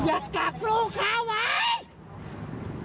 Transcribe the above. อยากกลับลูกข้าวไหม